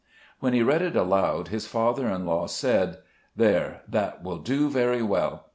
When he read it aloud, his father in law said, "There, that will do very well."